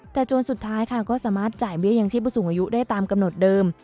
แต่จนสุดท้ายค่ะก็สามารถจ่ายเบี้ยยังชีพผู้สูงอายุได้ตามกำหนดเดิม